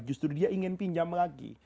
justru dia ingin pinjam lagi